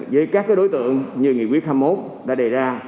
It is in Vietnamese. với các đối tượng như nghị quyết hai mươi một đã đề ra